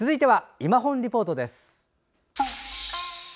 「いまほんリポート」。